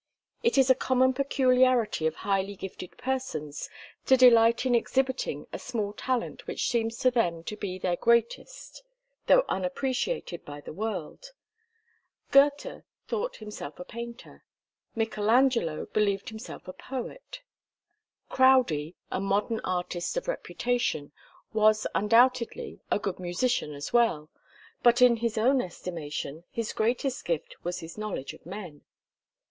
It is a common peculiarity of highly gifted persons to delight in exhibiting a small talent which seems to them to be their greatest, though unappreciated by the world. Goethe thought himself a painter. Michelangelo believed himself a poet. Crowdie, a modern artist of reputation, was undoubtedly a good musician as well, but in his own estimation his greatest gift was his knowledge of men.